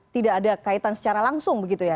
tidak ada kaitan secara langsung begitu ya